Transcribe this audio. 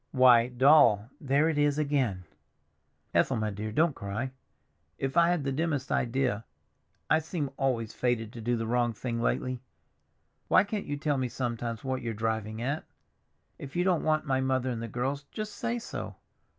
"Why, Doll—" "There it is again!" "Ethel, my dear girl, don't cry. If I had had the dimmest idea—I seem always fated to do the wrong thing lately. Why can't you tell me sometimes what you're driving at? If you don't want my mother and the girls, just say so.